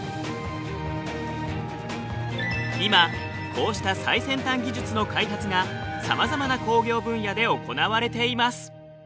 今こうした最先端技術の開発がさまざまな工業分野で行われています。